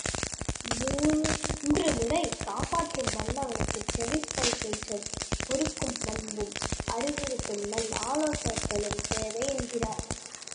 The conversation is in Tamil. முறை செய்து காப்பாற்றும் மன்னவனுக்குச் செவிகைப்பச் சொற் பொறுக்கும் பண்பும் அறிவுறுத்தும் நல் ஆலோசகர்களும் தேவை என்கிறார்.